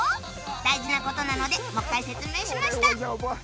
大事な事なのでもう一回説明しました